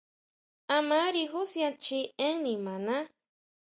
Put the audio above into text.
A mari jusian chji énn nimaná.